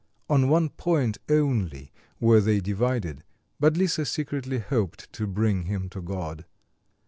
On one point only were they divided; but Lisa secretly hoped to bring him to God.